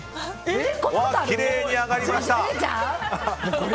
きれいに上がりました！